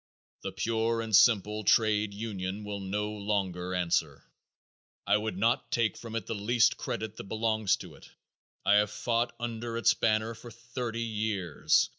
The pure and simple trade union will no longer answer. I would not take from it the least credit that belongs to it. I have fought under its banner for thirty years.